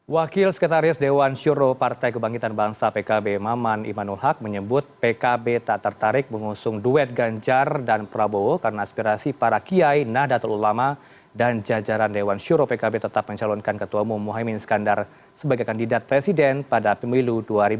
wakil sekretaris dewan syuro partai kebangkitan bangsa pkb maman imanul haq menyebut pkb tak tertarik mengusung duet ganjar dan prabowo karena aspirasi para kiai nahdlatul ulama dan jajaran dewan syuro pkb tetap mencalonkan ketua umum muhaymin iskandar sebagai kandidat presiden pada pemilu dua ribu dua puluh